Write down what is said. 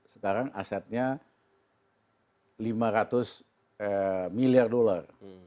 sekarang asetnya lima ratus miliar dolar